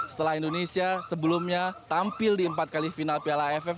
setelah indonesia sebelumnya tampil di empat kali final piala aff